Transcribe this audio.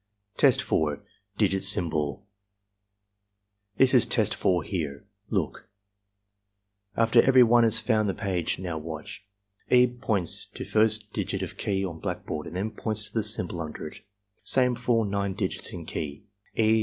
Test 4.— Digit Symbol "This is Test 4 here. Look." After every one has found the page — "Now watch." E. points to first digit of key on black board and then points to the symbol under it. Same for all nine digits in key. E.